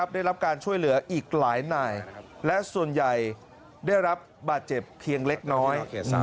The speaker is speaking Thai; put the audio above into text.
ได้รับการช่วยเหลืออีกหลายนายและส่วนใหญ่ได้รับบาดเจ็บเพียงเล็กน้อย